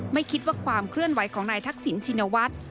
ไม่คิดว่าความเคลื่อนไหวของนายทักษิณชินวัฒน์